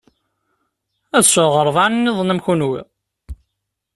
Ad sɛuɣ rebɛa nniḍen am kunwi.